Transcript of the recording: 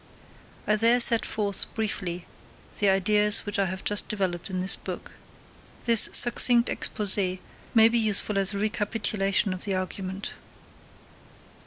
I there set forth briefly the ideas which I have just developed in this book. This succinct exposé may be useful as a recapitulation of the argument.